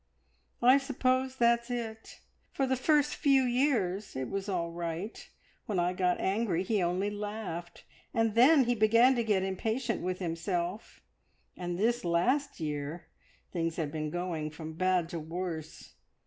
"I suppose that's it. For the first few years it was all right. When I got angry he only laughed; then he began to get impatient himself, and this last year things have been going from bad to worse.